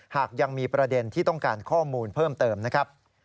หากยังมีประเด็นที่ต้องการข้อมูลเพิ่มเติมนะครับ